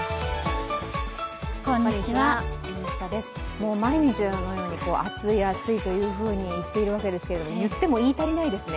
もう毎日のように暑い暑いと言っているわけですが言っても言い足りないですね。